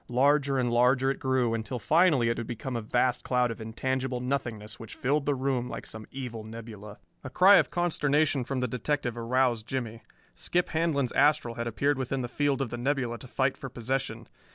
Larger and larger it grew, until finally it had become a vast cloud of intangible nothingness which filled the room like some evil nebula. A cry of consternation from the detective aroused Jimmie. Skip Handlon's astral had appeared within the field of the nebula to fight for possession.